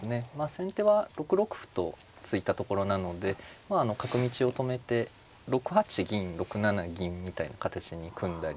先手は６六歩と突いたところなので角道を止めて６八銀６七銀みたいな形に組んだり